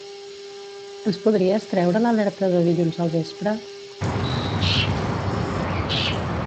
Ens podries treure l'alerta de dilluns al vespre?